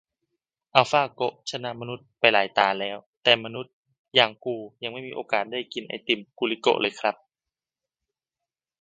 อัลฟาโกะชนะมนุษย์ไปหลายตาแล้ว แต่มนุษย์อย่างกูยังไม่มีโอกาสได้กินไอติมกูลิโกะเลยครับ